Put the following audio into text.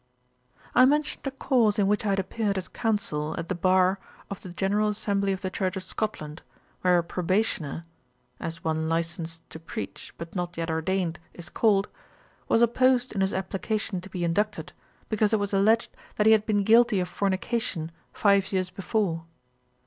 I mentioned a cause in which I had appeared as counsel at the bar of the General Assembly of the Church of Scotland, where a Probationer, (as one licensed to preach, but not yet ordained, is called,) was opposed in his application to be inducted, because it was alledged that he had been guilty of fornication five years before.